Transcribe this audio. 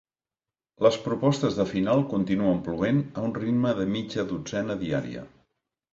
Les propostes de final continuen plovent a un ritme de mitja dotzena diària.